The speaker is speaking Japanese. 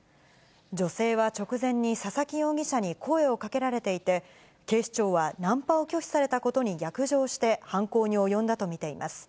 女性は直前に佐々木容疑者に声をかけられていて、警視庁はナンパを拒否されたことに逆上して、犯行に及んだと見ています。